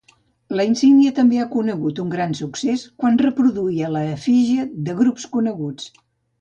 La insígnia també ha conegut un gran succés quan reproduïa l'efígie de grups coneguts.